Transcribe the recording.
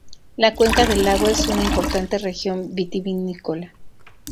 La cuenca del lago es una importante región vitivinícola.